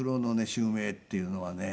襲名っていうのはね